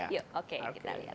yuk oke kita lihat